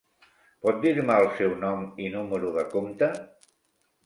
Pot dir-me el seu nom i número de compte?